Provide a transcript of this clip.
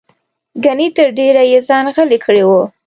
ګنې تر ډېره یې ځان غلی کړی و.